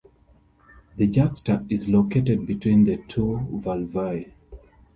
The juxta is located between the two valvae.